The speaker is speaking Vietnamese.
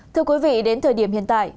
thưa quý vị đến thời điểm hiện tại